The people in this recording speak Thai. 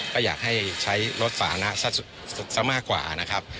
ก็อยากให้ใช้รถสาธารณะซะมากกว่านะครับ